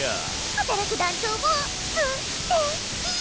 働く団長もす・て・き！